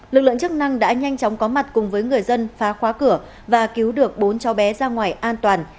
lực lượng chức năng đã nhanh chóng có mặt cùng với người dân phá khóa cửa và cứu được bốn cháu bé ra ngoài an toàn